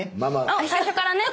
おっ最初からね。